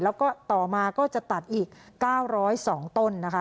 แล้วก็ต่อมาก็จะตัดอีก๙๐๒ต้นนะคะ